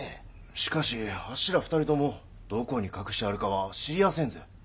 しかしあっしら２人ともどこに隠してあるかは知りやせんぜ。